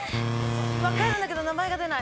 分かるんだけど名前が出ない。